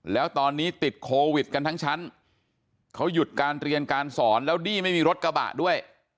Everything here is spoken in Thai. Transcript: แล้วตอนนี้ติดโควิดกันทั้งชั้นเขาหยุดการเรียนการสอนแล้วนี่ไม่มีรถกระบะด้วย